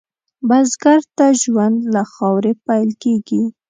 بزګر ته ژوند له خاورې پېل کېږي